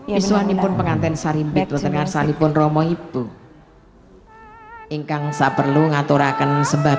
misalnya pun pengantin saling betul dengan salibun romo ibu hai ingkan sabar lu ngatur akan sembah